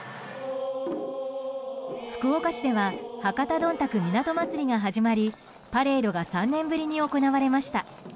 福岡市では博多どんたく港まつりが始まりパレードが３年ぶりに行われました。